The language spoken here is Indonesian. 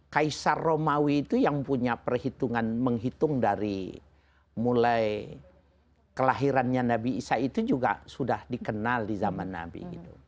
kaisar romawi itu yang punya perhitungan menghitung dari mulai kelahirannya nabi isa itu juga sudah dikenal di zaman nabi